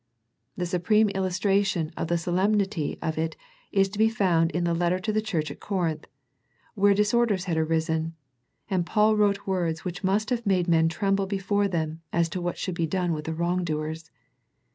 ^ The supreme illustration of the solemnity of it is to be found in the letter to the church at Corinth, where disorders had arisen, and Paul wrote words that must have made men tremble before them as to what should be done with the wrongdoers.